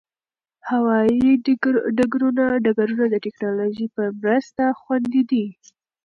هوايي ډګرونه د ټکنالوژۍ په مرسته خوندي دي.